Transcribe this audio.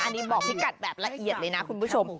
อันนี้บอกพี่กัดแบบละเอียดเลยนะคุณผู้ชม